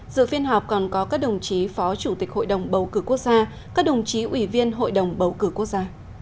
dự phiên họp còn có các đồng chí phó chủ tịch hội đồng bầu cử quốc gia các đồng chí ủy viên hội đồng bầu cử quốc gia